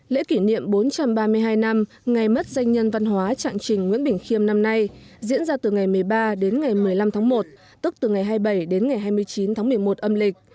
lễ kỷ niệm bốn trăm ba mươi hai năm ngày mất danh nhân văn hóa trạng trình nguyễn bình khiêm năm nay diễn ra từ ngày một mươi ba đến ngày một mươi năm tháng một tức từ ngày hai mươi bảy đến ngày hai mươi chín tháng một mươi một âm lịch